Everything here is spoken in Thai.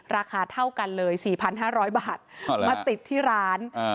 ราคาเท่ากันเลยสี่พันห้าร้อยบาทอ๋อมาติดที่ร้านอ่า